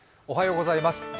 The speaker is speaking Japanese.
おはようございます。